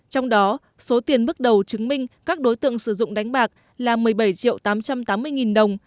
trong đó số tiền bước đầu chứng minh các đối tượng sử dụng đánh bạc là một mươi bảy triệu tám trăm tám mươi nghìn đồng